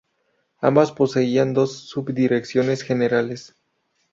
Ambas poseían dos subdirecciones generales.